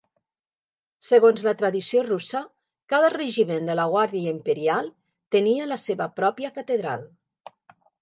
Segons la tradició russa, cada regiment de la guàrdia imperial tenia la seva pròpia catedral.